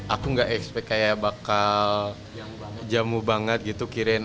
aku gak expect kayak bakal jamu banget gitu kirain